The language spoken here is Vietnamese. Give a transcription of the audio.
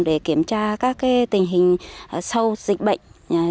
để kiểm tra các tình hình sâu dịch bệnh